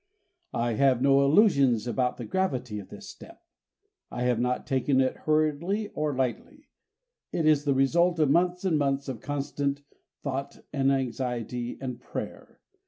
I have no illusions about the gravity of this step. I have not taken it hurriedly or lightly. It is the result of months and months of constant thought and anxiety and prayer.